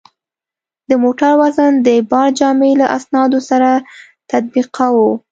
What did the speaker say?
د موټر وزن د بارجامې له اسنادو سره تطبیقاوه.